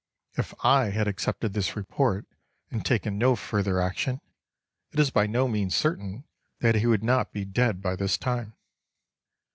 If I had accepted this report and taken no further action, it is by no means certain that he would not be dead by this time.